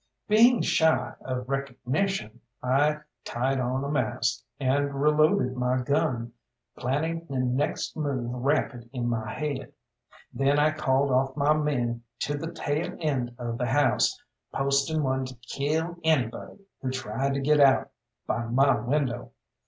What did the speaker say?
Being shy of recognition, I tied on a mask, and reloaded my gun, planning the next move rapid in my head. Then I called off my men to the tail end of the house, posting one to kill anybody who tried to get out by my window.